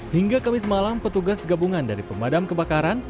hingga kamis malam petugas gabungan dari pemadam kebakaran